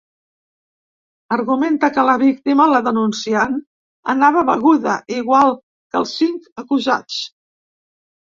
Argumenta que la víctima –la denunciant– anava beguda, igual que els cinc acusats.